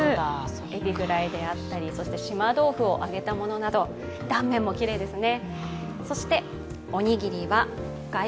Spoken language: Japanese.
エビフライであったり、そして島豆腐を揚げたものなど断面もきれいですね。